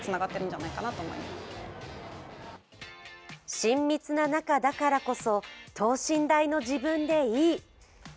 親密な仲だからこそ等身大の自分でいい。